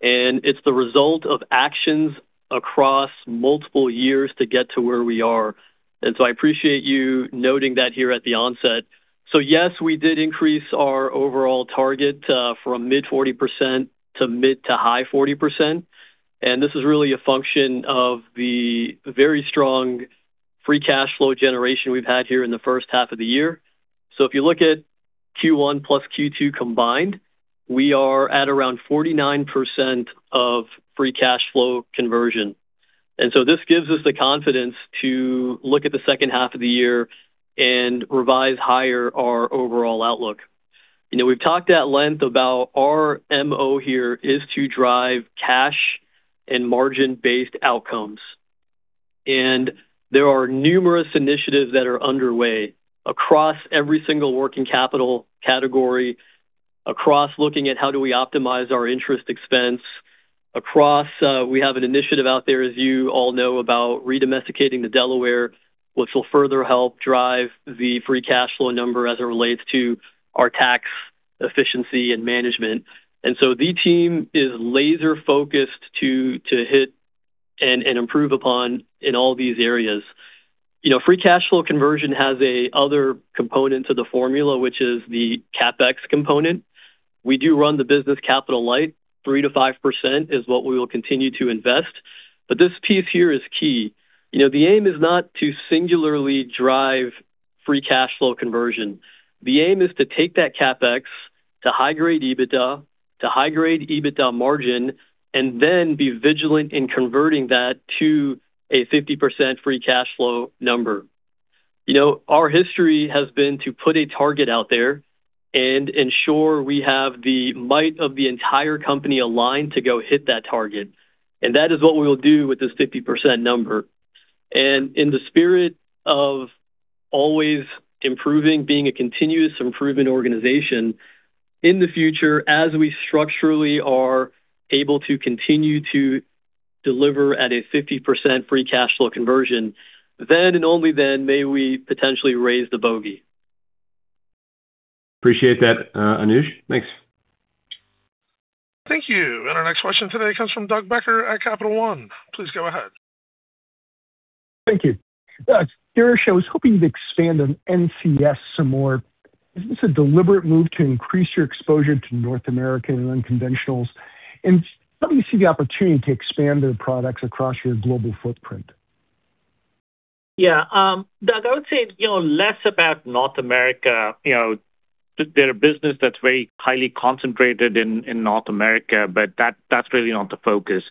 and it's the result of actions across multiple years to get to where we are. I appreciate you noting that here at the onset. Yes, we did increase our overall target, from mid 40% to mid to high 40%. This is really a function of the very strong free cash flow generation we've had here in the first half of the year. If you look at Q1+Q2 combined, we are at around 49% of free cash flow conversion. This gives us the confidence to look at the second half of the year and revise higher our overall outlook. We've talked at length about our MO here is to drive cash and margin-based outcomes. There are numerous initiatives that are underway across every single working capital category, across looking at how do we optimize our interest expense. We have an initiative out there, as you all know, about redomesticating to Delaware, which will further help drive the free cash flow number as it relates to our tax efficiency and management. The team is laser-focused to hit and improve upon in all these areas. Free cash flow conversion has a other component to the formula, which is the CapEx component. We do run the business capital light. 3%-5% is what we will continue to invest. This piece here is key. The aim is not to singularly drive free cash flow conversion. The aim is to take that CapEx to high-grade EBITDA, to high-grade EBITDA margin, and then be vigilant in converting that to a 50% free cash flow number. You know, our history has been to put a target out there and ensure we have the might of the entire company aligned to go hit that target. That is what we will do with this 50% number. In the spirit of always improving, being a continuous improvement organization, in the future, as we structurally are able to continue to deliver at a 50% free cash flow conversion, then, and only then, may we potentially raise the bogey. Appreciate that, Anuj. Thanks. Thank you. Our next question today comes from Doug Becker at Capital One. Please go ahead. Thank you. Girish, I was hoping you'd expand on NCS some more. Is this a deliberate move to increase your exposure to North American unconventionals? How do you see the opportunity to expand their products across your global footprint? Yeah. Doug, I would say, less about North America. They're a business that's very highly concentrated in North America, but that's really not the focus.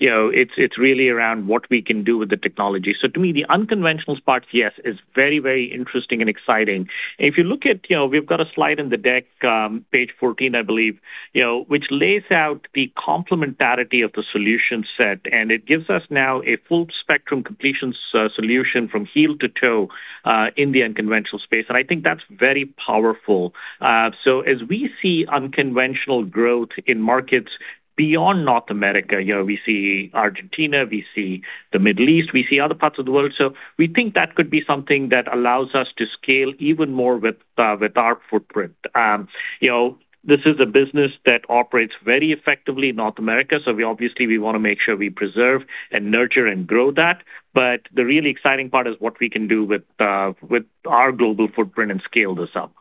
It's really around what we can do with the technology. To me, the unconventional part, yes, is very interesting and exciting. We've got a slide in the deck, Page 14, I believe, which lays out the complementarity of the solution set, and it gives us now a full spectrum completion solution from heel to toe, in the unconventional space. I think that's very powerful. As we see unconventional growth in markets beyond North America, we see Argentina, we see the Middle East, we see other parts of the world. We think that could be something that allows us to scale even more with our footprint. You know, this is a business that operates very effectively in North America. Obviously we want to make sure we preserve and nurture and grow that. The really exciting part is what we can do with our global footprint and scale this up.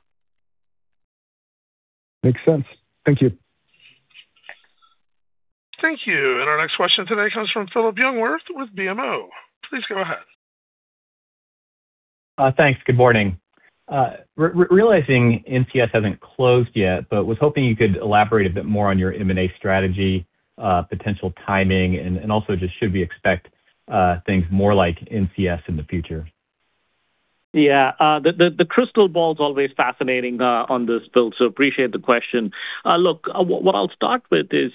Makes sense. Thank you. Thank you. Our next question today comes from Phillip Jungwirth with BMO. Please go ahead. Thanks. Good morning. Realizing NCS hasn't closed yet, but was hoping you could elaborate a bit more on your M&A strategy, potential timing, and also just should we expect things more like NCS in the future? Yeah. The crystal ball's always fascinating on this, Phil, appreciate the question. Look, what I'll start with is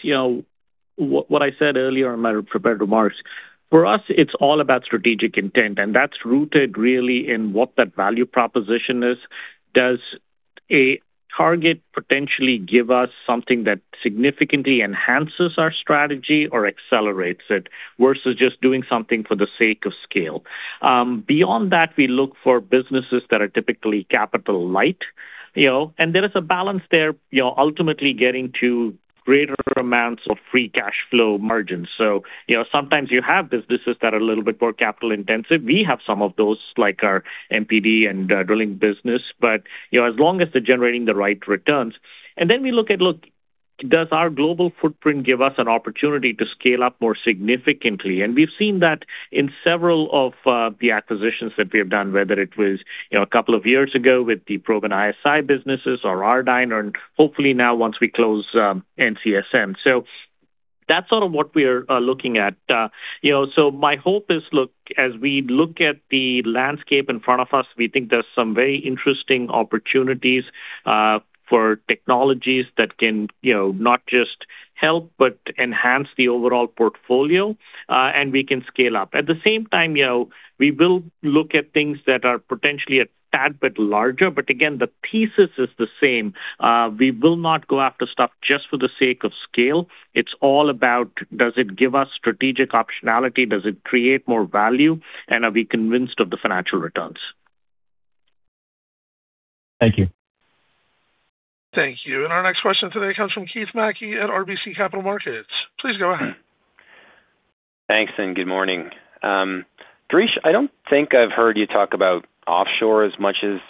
what I said earlier in my prepared remarks. For us, it's all about strategic intent, and that's rooted really in what that value proposition is. Does a target potentially give us something that significantly enhances our strategy or accelerates it versus just doing something for the sake of scale? Beyond that, we look for businesses that are typically capital light. There is a balance there, ultimately getting to greater amounts of free cash flow margins. Sometimes you have businesses that are a little bit more capital intensive. We have some of those, like our MPD and drilling business, but as long as they're generating the right returns. Then we look at, does our global footprint give us an opportunity to scale up more significantly? We've seen that in several of the acquisitions that we have done, whether it was a couple of years ago with the Probe and ISI businesses or Ardyne, and hopefully now once we close NCSM. That's sort of what we're looking at. My hope is, as we look at the landscape in front of us, we think there's some very interesting opportunities for technologies that can not just help but enhance the overall portfolio, and we can scale up. At the same time, we will look at things that are potentially a tad bit larger, but again, the thesis is the same. We will not go after stuff just for the sake of scale. It's all about does it give us strategic optionality? Does it create more value? Are we convinced of the financial returns? Thank you. Thank you. Our next question today comes from Keith Mackey at RBC Capital Markets. Please go ahead. Thanks, and good morning. Girish, I don't think I've heard you talk about offshore as much as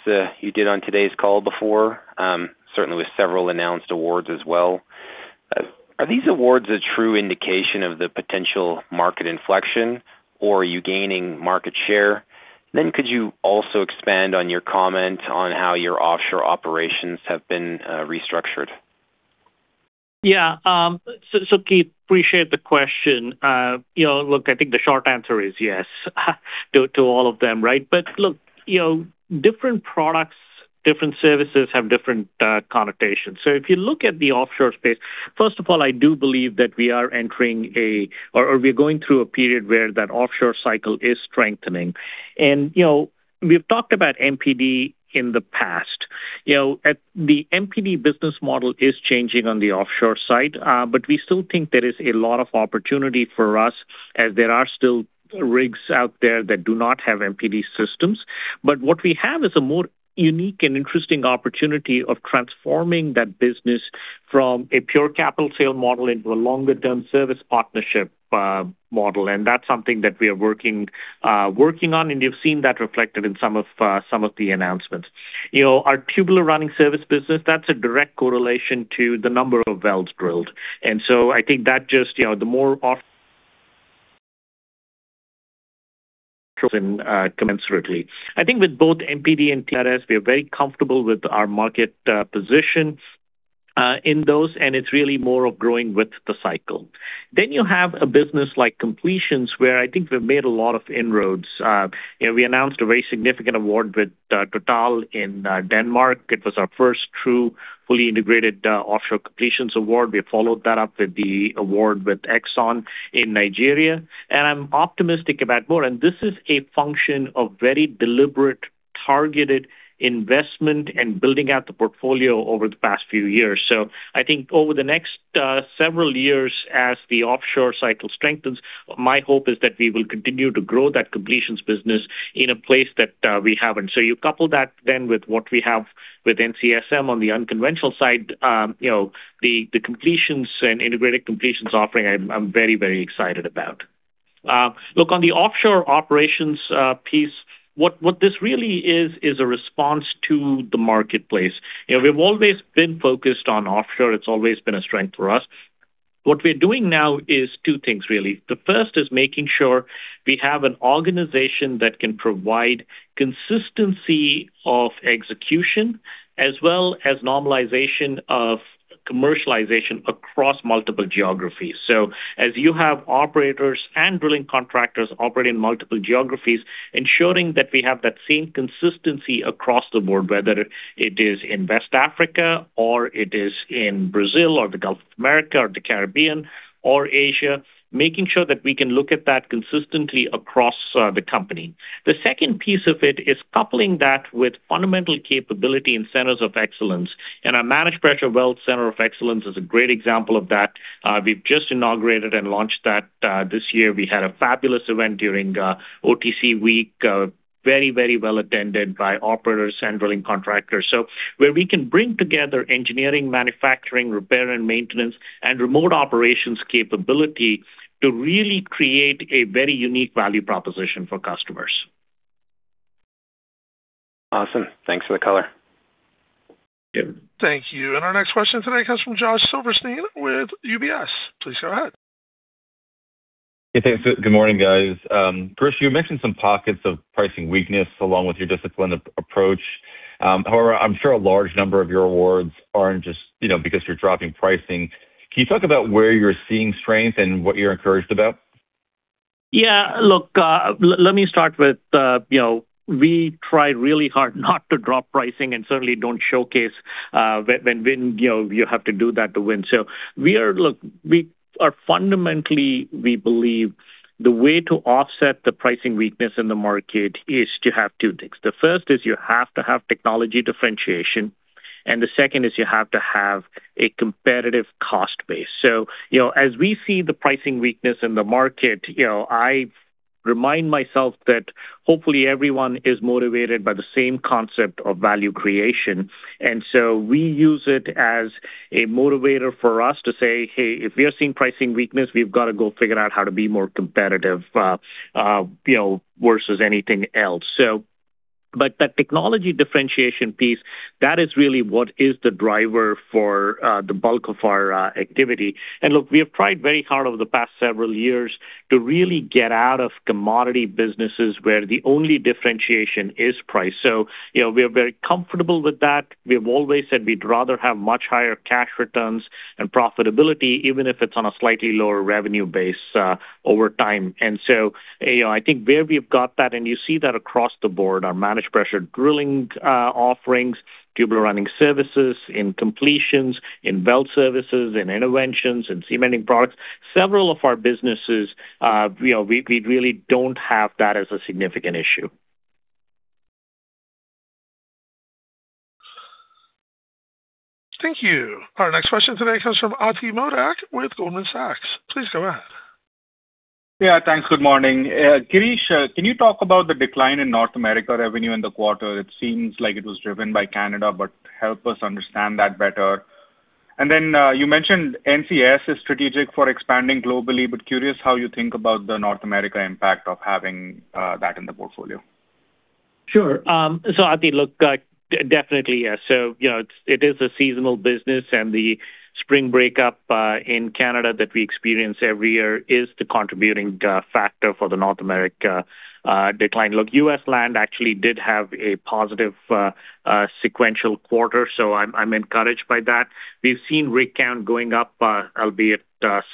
you did on today's call before, certainly with several announced awards as well. Are these awards a true indication of the potential market inflection, or are you gaining market share? Could you also expand on your comment on how your offshore operations have been restructured? Keith, appreciate the question. Look, I think the short answer is yes to all of them, right? Look, different products, different services have different connotations. If you look at the offshore space, first of all, I do believe that we are entering, or we are going through a period where that offshore cycle is strengthening. We've talked about MPD in the past. The MPD business model is changing on the offshore side, we still think there is a lot of opportunity for us as there are still rigs out there that do not have MPD systems. What we have is a more unique and interesting opportunity of transforming that business from a pure capital sale model into a longer-term service partnership model. That's something that we are working on, and you've seen that reflected in some of the announcements. You know, our tubular running service business, that's a direct correlation to the number of wells drilled. I think that the more commensurately. I think with both MPD and TRS, we are very comfortable with our market positions in those, and it's really more of growing with the cycle. You have a business like completions, where I think we've made a lot of inroads. We announced a very significant award with Total in Denmark. It was our first true fully integrated offshore completions award. We followed that up with the award with Exxon in Nigeria, and I'm optimistic about more. This is a function of very deliberate, targeted investment and building out the portfolio over the past few years. I think over the next several years as the offshore cycle strengthens, my hope is that we will continue to grow that completions business in a place that we haven't. You couple that then with what we have with NCSM on the unconventional side. The completions and integrated completions offering, I'm very excited about. Look, on the offshore operations piece, what this really is a response to the marketplace. We've always been focused on offshore. It's always been a strength for us. What we are doing now is two things really. The first is making sure we have an organization that can provide consistency of execution as well as normalization of commercialization across multiple geographies. As you have operators and drilling contractors operate in multiple geographies, ensuring that we have that same consistency across the board, whether it is in West Africa or it is in Brazil or the Gulf of Mexico or the Caribbean or Asia, making sure that we can look at that consistently across the company. The second piece of it is coupling that with fundamental capability in centers of excellence, and our Managed Pressure Wells Center of Excellence is a great example of that. We've just inaugurated and launched that this year. We had a fabulous event during OTC week. Very well attended by operators and drilling contractors. Where we can bring together engineering, manufacturing, repair and maintenance, and remote operations capability to really create a very unique value proposition for customers. Awesome. Thanks for the color. Yeah. Thank you. Our next question today comes from Josh Silverstein with UBS. Please go ahead. Hey, thanks. Good morning, guys. Girish, you mentioned some pockets of pricing weakness along with your disciplined approach. However, I'm sure a large number of your awards aren't just because you're dropping pricing. Can you talk about where you're seeing strength and what you're encouraged about? Yeah, look, let me start with, we try really hard not to drop pricing and certainly don't showcase when you have to do that to win. We are fundamentally, we believe the way to offset the pricing weakness in the market is to have two things. The first is you have to have technology differentiation, and the second is you have to have a competitive cost base. As we see the pricing weakness in the market, I remind myself that hopefully everyone is motivated by the same concept of value creation. We use it as a motivator for us to say, hey, if we are seeing pricing weakness, we've got to go figure out how to be more competitive versus anything else. That technology differentiation piece, that is really what is the driver for the bulk of our activity. Look, we have tried very hard over the past several years to really get out of commodity businesses where the only differentiation is price. We are very comfortable with that. We have always said we'd rather have much higher cash returns and profitability, even if it's on a slightly lower revenue base over time. I think where we've got that, and you see that across the board, our Managed Pressure Drilling offerings, Tubular Running Services in completions, in belt services, in interventions, in cementing products. Several of our businesses, we really don't have that as a significant issue. Thank you. Our next question today comes from Ati Modak with Goldman Sachs. Please go ahead. Yeah, thanks. Good morning. Girish, can you talk about the decline in North America revenue in the quarter? It seems like it was driven by Canada, help us understand that better. You mentioned NCS is strategic for expanding globally, curious how you think about the North America impact of having that in the portfolio. Sure. Ati, look, definitely, yeah. It is a seasonal business, and the spring break-up in Canada that we experience every year is the contributing factor for the North America decline. Look, U.S. land actually did have a positive sequential quarter, I'm encouraged by that. We've seen rig count going up, albeit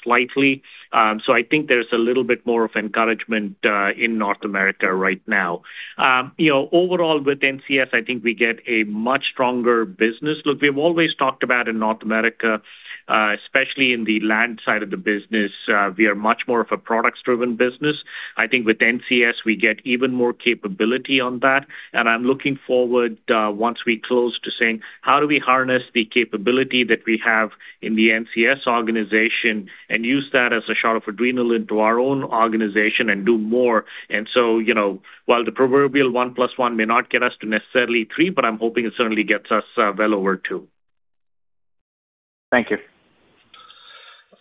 slightly. I think there's a little bit more of encouragement in North America right now. Overall, with NCS, I think we get a much stronger business. Look, we've always talked about in North America, especially in the land side of the business, we are much more of a products-driven business. I think with NCS, we get even more capability on that, and I'm looking forward, once we close, to saying, how do we harness the capability that we have in the NCS organization and use that as a shot of adrenaline to our own organization and do more? While the proverbial 1+1 may not get us to necessarily three, I'm hoping it certainly gets us well over two. Thank you.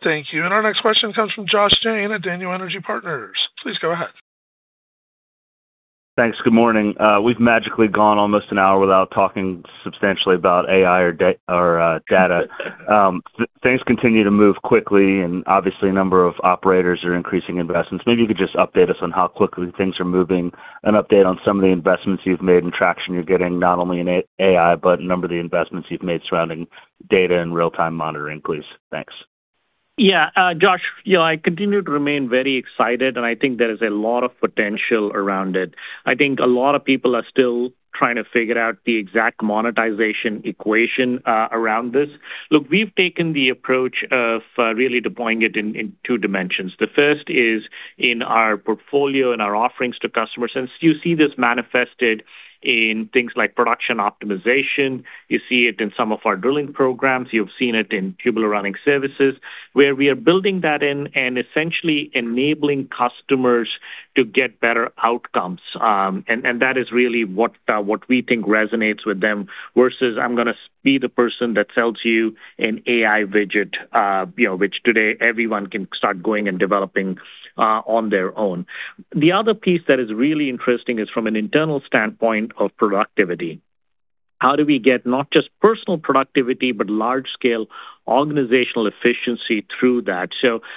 Thank you. Our next question comes from Josh Jayne at Daniel Energy Partners. Please go ahead. Thanks. Good morning. We've magically gone almost an hour without talking substantially about AI or data. Things continue to move quickly, and obviously a number of operators are increasing investments. Maybe you could just update us on how quickly things are moving, an update on some of the investments you've made and traction you're getting, not only in AI, but a number of the investments you've made surrounding data and real-time monitoring, please. Thanks. Yeah. Josh, I continue to remain very excited. I think there is a lot of potential around it. I think a lot of people are still trying to figure out the exact monetization equation around this. Look, we've taken the approach of really deploying it in two dimensions. The first is in our portfolio, in our offerings to customers. You see this manifested in things like production optimization. You see it in some of our drilling programs. You've seen it in Tubular Running Services, where we are building that in and essentially enabling customers to get better outcomes. That is really what we think resonates with them versus I'm going to be the person that sells you an AI widget, which today everyone can start going and developing on their own. The other piece that is really interesting is from an internal standpoint of productivity. How do we get not just personal productivity, but large-scale organizational efficiency through that?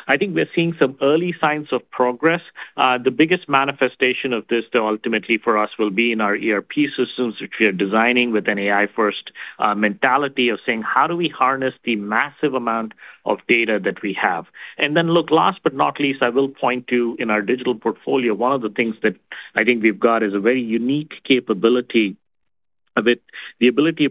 I think we're seeing some early signs of progress. The biggest manifestation of this, though, ultimately for us will be in our ERP systems, which we are designing with an AI-first mentality of saying, how do we harness the massive amount of data that we have? Look, last but not least, I will point to in our digital portfolio, one of the things that I think we've got is a very unique capability of it, the ability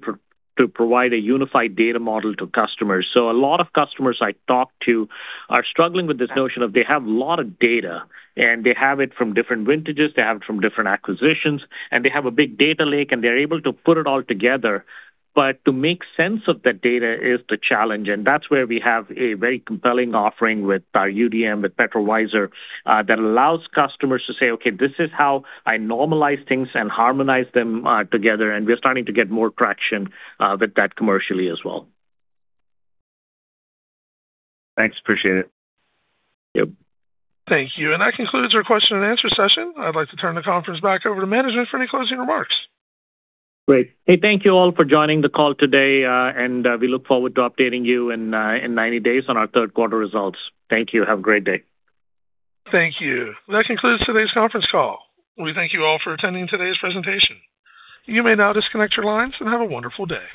to provide a unified data model to customers. A lot of customers I talk to are struggling with this notion of they have a lot of data, and they have it from different vintages, they have it from different acquisitions, and they have a big data lake, and they're able to put it all together. To make sense of that data is the challenge, and that's where we have a very compelling offering with our UDM, with PetroVisor, that allows customers to say, okay, this is how I normalize things and harmonize them together. We're starting to get more traction with that commercially as well. Thanks. Appreciate it. Yep. Thank you. That concludes our question-and-answer session. I'd like to turn the conference back over to management for any closing remarks. Great. Hey, thank you all for joining the call today. We look forward to updating you in 90 days on our third quarter results. Thank you. Have a great day. Thank you. That concludes today's conference call. We thank you all for attending today's presentation. You may now disconnect your lines and have a wonderful day.